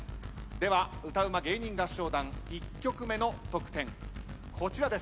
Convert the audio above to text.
では歌ウマ芸人合唱団１曲目の得点こちらです。